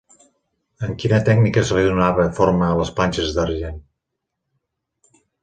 Amb quina tècnica se li donava forma a les planxes d'argent?